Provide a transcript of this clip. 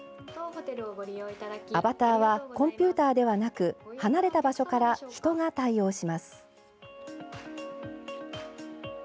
アバターはコンピューターではなく離れた場所から人が対応します。